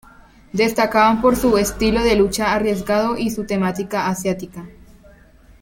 Destacaban por su estilo de lucha arriesgado y su temática asiática.